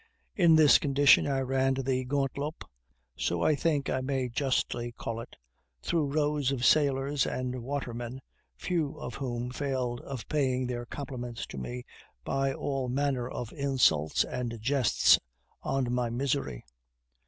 In this condition I ran the gauntlope (so I think I may justly call it) through rows of sailors and watermen, few of whom failed of paying their compliments to me by all manner of insults and jests on my misery.